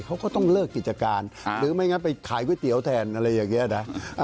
เขาก็ต้องเลิกกิจการหรือไม่งั้นไปขายก๋วยเตี๋ยวแทนอะไรอย่างนี้นะ